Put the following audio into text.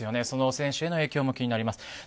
その選手への影響も気になります。